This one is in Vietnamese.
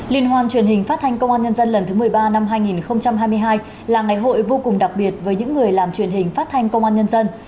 liên hoan truyền hình phát thanh công an nhân dân lần thứ một mươi ba năm hai nghìn hai mươi hai là ngày hội vô cùng đặc biệt với những người làm truyền hình phát thanh công an nhân dân